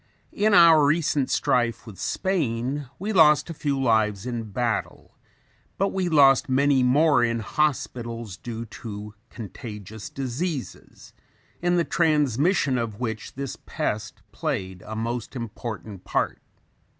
In our recent strife with Spain we lost a few lives in battle, but we lost many more in hospitals due to contagious diseases, in the transmission of which this pest played a most important part.